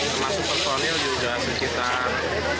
termasuk personil juga sekitar